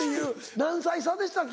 何歳差でしたっけ？